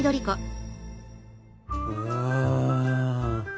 うん！